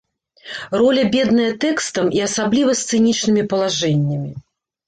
Роля бедная тэкстам і асабліва сцэнічнымі палажэннямі.